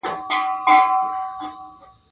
زیارت ته یې ورځه.